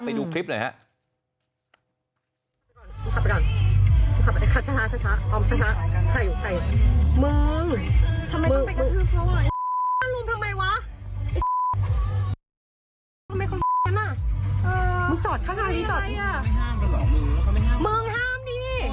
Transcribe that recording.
ไปดูคลิปหน่อยครับ